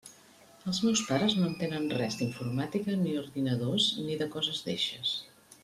Els meus pares no entenen res d'informàtica ni ordinadors ni de coses d'eixes.